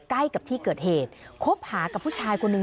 ใกล้กับที่เกิดเหตุคบหากับผู้ชายคนหนึ่ง